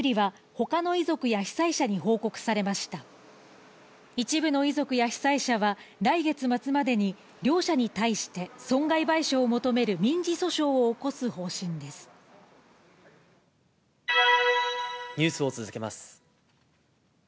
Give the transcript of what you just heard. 一部の遺族や被災者は、来月末までに両者に対して損害賠償を求める民事訴訟を起こす方針ニュースを続けます。